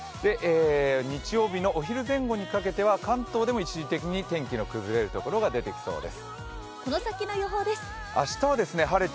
日曜日のお昼前後にかけては関東でも一時的に天気の崩れる所が出てきそうです。